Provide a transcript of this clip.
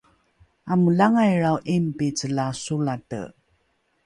amolangailrao ’ingpice la solate